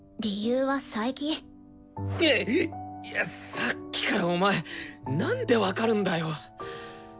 さっきからお前なんで分かるんだよ。